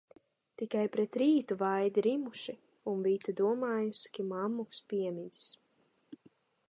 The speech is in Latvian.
Tikai pret rītu vaidi rimuši, un Vita domājusi, ka mammuks piemidzis.